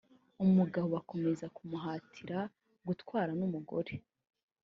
umugabo bakomeza kumuhatira gutwara n’umugore